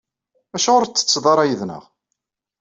Acuɣer ur tsetteḍ ara yid-neɣ?